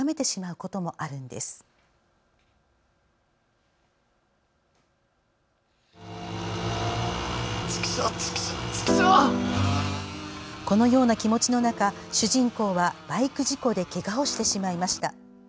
このような気持ちの中主人公はバイク事故でけがをしてしまいました。